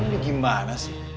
kamu ini gimana sih